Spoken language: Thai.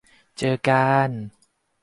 เจอกาน